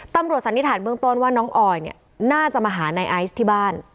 ตำรวจสันนิษฐานเบื้องต้นว่าน้องออยน่าจะมาหานายไอศ์ที่บ้าน